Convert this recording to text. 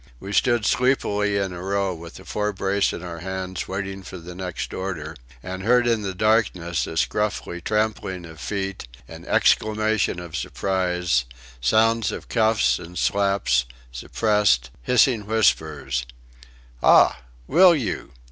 We stood sleepily in a row with the forebrace in our hands waiting for the next order, and heard in the darkness a scuffly trampling of feet, an exclamation of surprise, sounds of cuffs and slaps, suppressed, hissing whispers: "Ah! Will you!"...